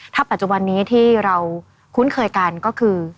ถ้าปัจจุบันนี้ที่เราคุ้นเคยกันก็คือ